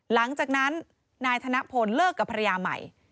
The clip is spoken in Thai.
หลังจากนั้นนายธนพลเลิกกับภรรยาใหม่